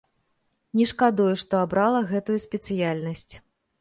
Не шкадую, што абрала гэтую спецыяльнасць.